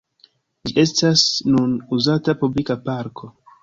Ĝi estas nun uzata publika parko.